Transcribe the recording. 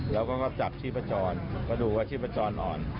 แล้วก็จับชีพจรก็ดูอาชีพจรอ่อน